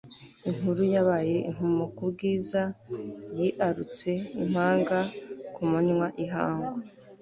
inkuru yabaye impamo ko bwiza yiarutse impanga ku manywa y'ihangu